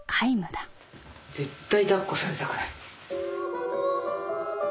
絶対だっこされたくない。